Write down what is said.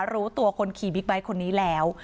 รู้ตัวคนขี่บิ๊กไบท์คนนี้แล้ว